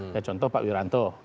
ya contoh pak wiranto